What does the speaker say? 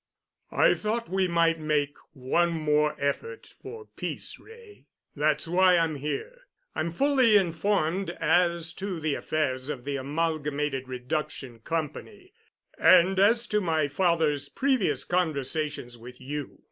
"I thought we might make one more effort for peace, Wray. That's why I'm here. I'm fully informed as to the affairs of the Amalgamated Reduction Company and as to my father's previous conversations with you.